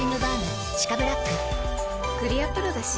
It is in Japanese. クリアプロだＣ。